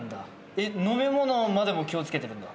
えっ飲み物までも気を付けてるんだ？